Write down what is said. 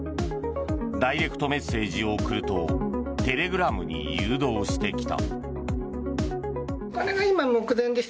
ダイレクトメッセージを送るとテレグラムに誘導してきた。